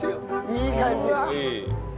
いい感じ！